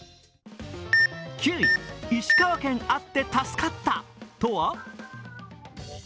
９位、石川県あって助かったとは？